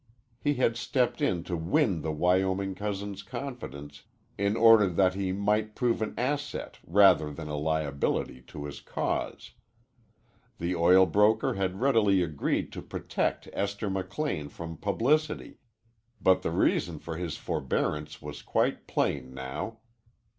He had stepped in to win the Wyoming cousin's confidence in order that he might prove an asset rather than a liability to his cause. The oil broker had readily agreed to protect Esther McLean from publicity, but the reason for his forbearance was quite plain now.